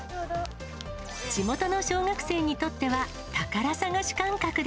地元の小学生にとっては宝探し感覚で。